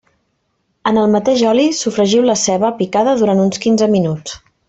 En el mateix oli sofregiu la ceba picada durant uns quinze minuts.